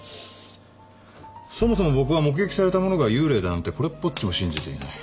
そもそも僕は目撃されたものが幽霊だなんてこれっぽっちも信じていない。